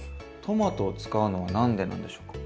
トマトを使うのは何でなんでしょうか？